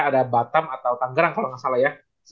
ada batam atau tanggerang kalau nggak salah ya